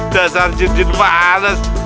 dasar jejen males